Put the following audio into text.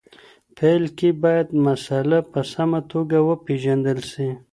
پیل کي باید مسله په سمه توګه وپېژندل سي.